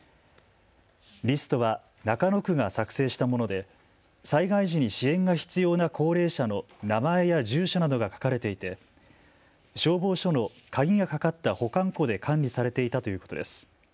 リストは中野区が作成したもので災害時に支援が必要な高齢者の名前や住所などが書かれていて消防署の鍵がかかった保管庫で管理されていたということです。